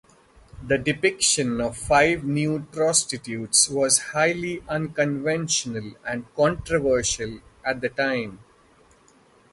The depiction of five nude prostitutes was highly unconventional and controversial at the time.